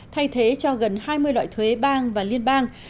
thay thế cho gần hai mươi loại thuế bang và liên bang